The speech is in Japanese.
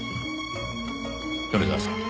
米沢さん